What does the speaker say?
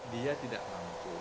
dia tidak mampu